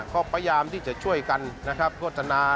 เขาพยายามที่จะช่วยกันโฆษณา